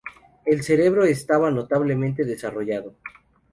El cerebro estaba notablemente desarrollado.